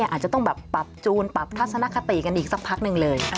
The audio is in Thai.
อาจจะต้องแบบปรับจูนปรับทัศนคติกันอีกสักพักหนึ่งเลย